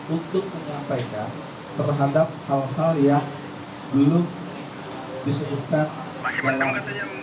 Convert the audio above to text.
untuk menyampaikan terhadap hal hal yang dulu disunjukkan